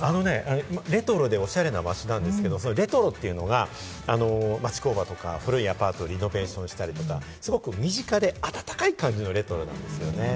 レトロでオシャレな街なんですけれども、レトロというのは、町工場とか、古いアパートをリノベーションしたりとか、すごく身近であたたかいという感じの、レトロなんですよね。